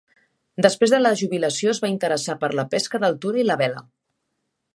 Després de la jubilació es va interessar per la pesca d'altura i la vela.